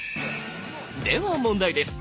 では問題です！